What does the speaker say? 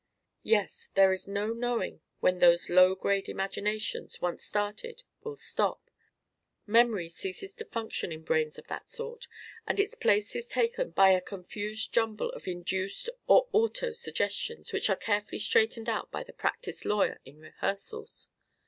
"Yes, there is no knowing when those low grade imaginations, once started, will stop. Memory ceases to function in brains of that sort, and its place is taken by a confused jumble of induced or auto suggestions, which are carefully straightened out by the practised lawyer in rehearsals.